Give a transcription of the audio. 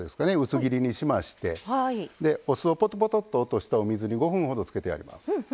薄切りにしましてお酢をぽとぽとっと落としたお水に５分ほどつけてあります。